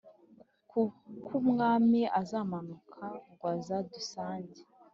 Kukw Umwam' azamanuka ngw az' adusange,